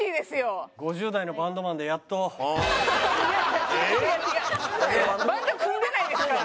違う違うバンド組んでないですから。